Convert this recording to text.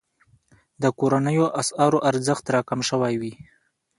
د کورنیو اسعارو ارزښت راکم شوی وي.